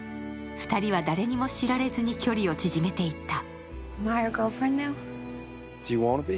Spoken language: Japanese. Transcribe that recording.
２人は誰にも知られずに距離を縮めていった。